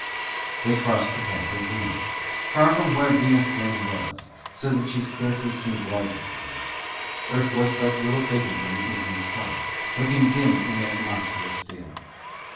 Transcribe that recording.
They crossed the path of Venus, far from where Venus then was, so that she scarcely seemed larger to them; Earth was but little bigger than the Evening Star, looking dim in that monstrous daylight.